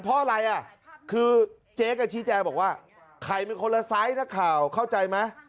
เพราะอะไรอ่ะคือเจ๊ก็ชี้แจงบอกว่าไข่มันคนละไซส์นักข่าวเข้าใจไหม